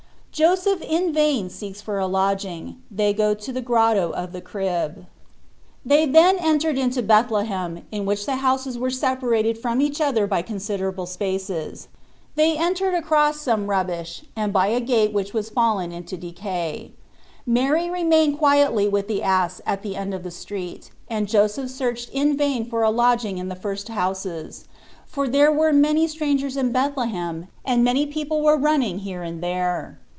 JOSEPH IN VAIN SEEKS FOR A LODGING. THEY GO TO THE GROTTO OF THE CRIB. THEY then entered into Bethlehem, in which the houses were separated from each other by considerable spaces. They 70 Ube Iflativntp of entered across some rubbish and by a gate which was fallen into decay. Mary remained quietly with the ass at the end of the street, and Joseph searched in vain for a lodging in the first houses, for there were many strangers in Bethlehem and many people were running here and there.